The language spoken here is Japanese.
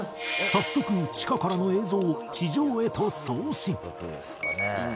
早速地下からの映像を地上へと送信